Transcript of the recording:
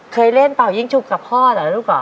เคยเล่นเป่ายิ่งฉุกกับพ่อเหรอลูกเหรอ